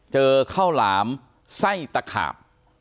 เจอข้าวหลามไส้ตะขาบ